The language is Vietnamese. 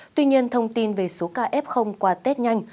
tuy nhiên thông tin về số ca f qua test nhanh